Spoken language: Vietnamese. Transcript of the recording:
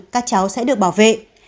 các cháu sẽ được bảo vệ